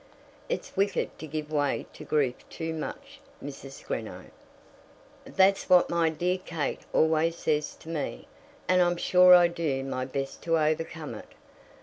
"It's wicked to give way to grief too much, Mrs. Greenow." "That's what my dear Kate always says to me, and I'm sure I do my best to overcome it."